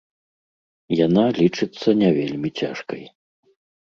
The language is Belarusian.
Яна лічыцца не вельмі цяжкай.